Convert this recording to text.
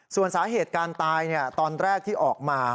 ส่วนสาเหตุการตายตอนแรกที่ออกมา